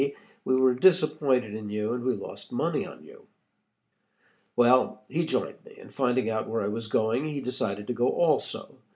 we were disappointed in you and we lost money on you.' "Well, he joined me, and finding out where I was going, he decided to go also.